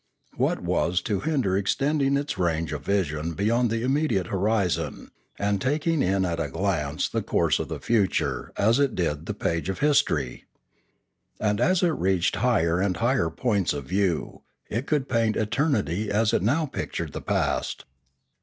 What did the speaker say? What was to hinder extending its range of vision beyond the im mediate horizon, and taking in at a glance the course of the future as it did the page of history ? And as it reached higher and higher points of view, it could paint eternity as' it now pictured the past.